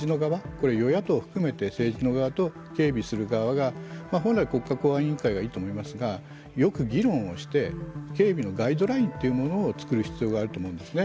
これは与野党を含めて政治の側と警備する側が本来、国家公安委員会がいいと思いますがよく議論をして警備のガイドラインというものを作る必要があると思うんですね。